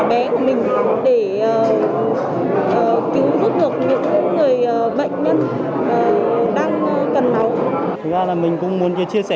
bé của mình để cứ giúp được những người bệnh nhân đang cần máu thực ra là mình cũng muốn chia sẻ